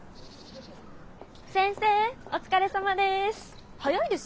先生お疲れさまでェす。